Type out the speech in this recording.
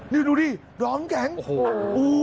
นี่ดูดิร้อนแกงโอ้โฮ